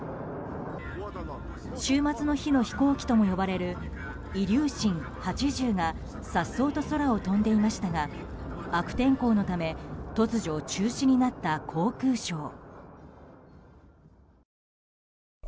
終末の日の飛行機とも呼ばれるイリューシン８０が颯爽と空を飛んでいましたが悪天候のため突如、中止になった航空ショー。